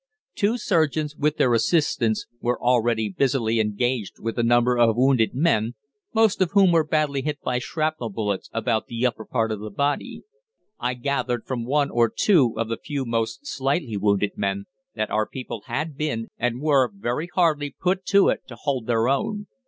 Two surgeons, with their assistants, were already busily engaged with a number of wounded men, most of whom were badly hit by shrapnel bullets about the upper part of the body. I gathered from one or two of the few most slightly wounded men that our people had been, and were, very hardly put to it to hold their own.